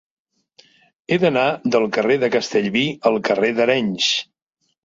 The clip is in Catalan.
He d'anar del carrer de Castellví al carrer d'Arenys.